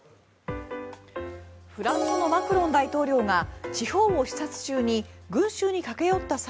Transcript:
フランスのマクロン大統領が地方を視察中に群衆に駆け寄った際